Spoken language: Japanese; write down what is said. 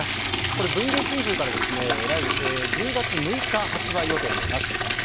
これ、文藝春秋から１０月６日発売予定となっています。